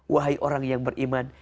wahai orang yang beriman